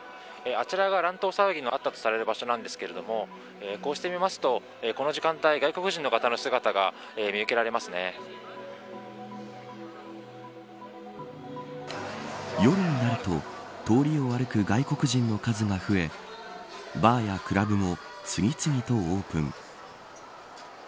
あちらが乱闘騒ぎのあったとされる場所なんですがこうして見ますと、この時間帯外国人の方の姿が夜になると通りを歩く外国人の数が増えバーやクラブも次々とオープン。